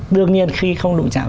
đương nhiên khi không đụng chạm